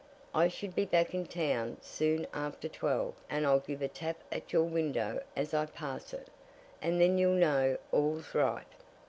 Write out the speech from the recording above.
I should be back in town soon after twelve, and I'll give a tap at your window as I pass it, and then you'll know all's right."